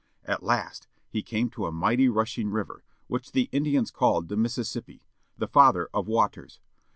At last he came to a mighty, rushing river, which the Indians called the Mis sissippi â the Father of Waters.